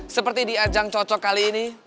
seperti diajang cocok kali ini